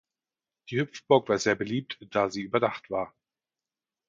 Die Hüpfburg war sehr beliebt, da sie überdacht war.